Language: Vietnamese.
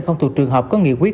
không tù trường hợp có nghị quyết